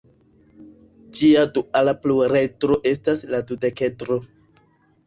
Ĝia duala pluredro estas la dudekedro.